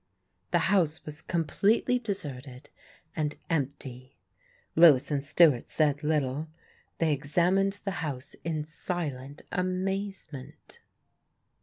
The house was completely deserted and empty. Lewis and Stewart said little; they examined the house in silent amazement.